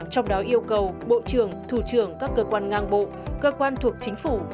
trong đó yêu cầu bộ trưởng thủ trưởng các cơ quan ngang bộ cơ quan thuộc chính phủ